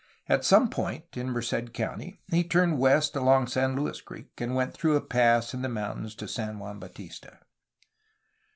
At some point in Merced County he turned west along San Luis Creek, and went through a pass in the mountains to San Juan Bautista.